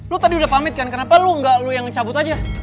lo tadi udah pamit kan kenapa lo gak lu yang cabut aja